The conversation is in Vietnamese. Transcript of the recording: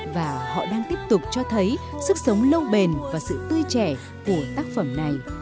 và họ đang tiếp tục cho thấy sức sống lâu bền và sự tươi trẻ của tác phẩm này